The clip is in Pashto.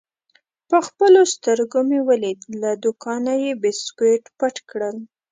په خپلو سترګو مې ولید: له دوکانه یې بیسکویټ پټ کړل.